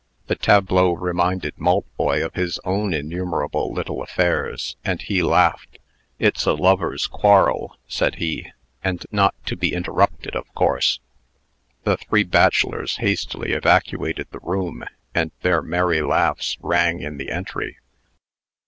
The tableau reminded Maltboy of his own innumerable little affairs, and he laughed. "It's a lovers' quarrel," said he, "and not to be interrupted, of course." The three bachelors hastily evacuated the room, and their merry laughs rang in the entry.